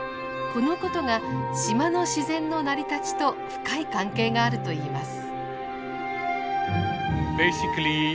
このことが島の自然の成り立ちと深い関係があるといいます。